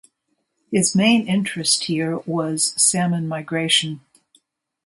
His main interest here was salmon migration.